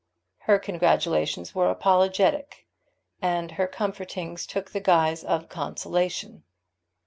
Her congratulations were apologetic, and her comfortings took the guise of consolation.